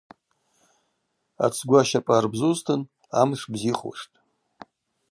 Ацгвы ащапӏы арбзузтын, амш бзихуштӏ.